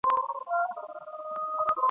که په ریشتیا وای د شنو زمریو !.